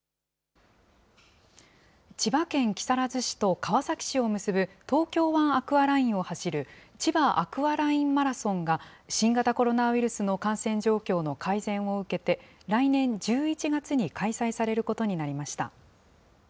川崎市を結ぶ東京湾アクアラインを走るちばアクアラインマラソンが、新型コロナウイルスの感染状況の改善を受けて、来年１１月に開催されることになりました。